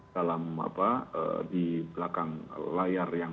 di belakang layar yang